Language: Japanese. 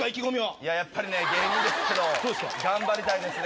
いややっぱりね、芸人ですけど、頑張りたいですね。